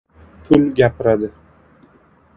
• Pul gapiradi.